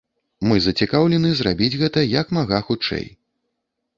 Мы зацікаўлены зрабіць гэта як мага хутчэй.